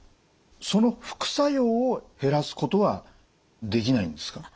その副作用を減らすことはできないんですか？